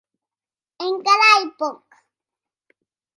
Encara ei pòc.